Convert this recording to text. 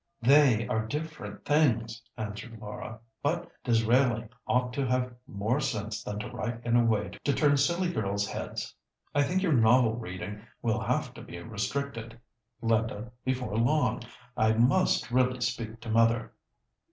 "They are different things," answered Laura; "but Disraeli ought to have more sense than to write in a way to turn silly girls' heads. I think your novel reading will have to be restricted, Linda, before long; I must really speak to mother."